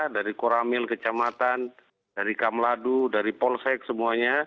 dari koramil kecamatan dari kamladu dari polsek semuanya